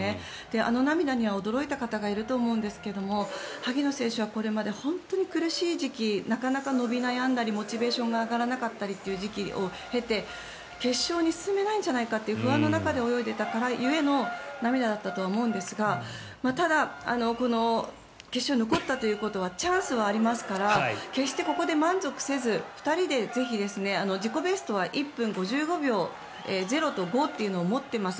あの涙には驚いた方がいると思うんですけど萩野選手はこれまで本当に苦しい時期なかなか伸び悩んだりモチベーションが上がらなかったりという時期を経て決勝に進めないんじゃないかという不安の中で泳いでいた故の涙だったとは思うんですがただ、この決勝に残ったということはチャンスはありますから決してここで満足せず２人で自己ベストは１分５５秒０と５というのを持っています。